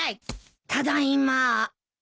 ただいま。